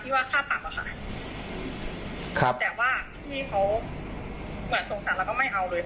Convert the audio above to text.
เขียนใบสั่งเสียค่าปรับหนูอ่าสะดวกไปเสียเสีย